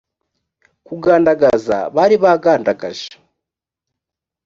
kugandagaza bari bagandagaje